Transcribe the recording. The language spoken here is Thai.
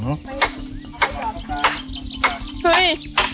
เฮ้ย